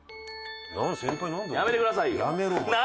やめてくださいよ。